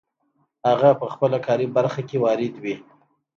هغه په خپله کاري برخه کې وارد وي.